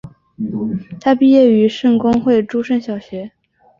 他毕业于圣公会诸圣小学。